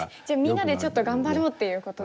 みんなでちょっと頑張ろうっていうこと。